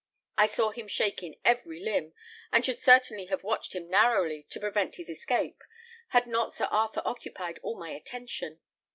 I saw him shake in every limb, and should certainly have watched him narrowly, to prevent his escape, had not Sir Arthur occupied all my attention.